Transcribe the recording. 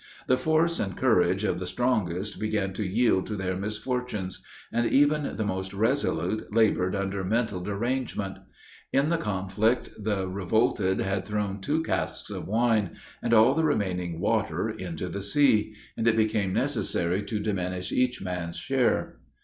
The force and courage of the strongest began to yield to their misfortunes; and even the most resolute labored under mental derangement. In the conflict, the revolted had thrown two casks of wine, and all the remaining water, into the sea; and it became necessary to diminish each man's share.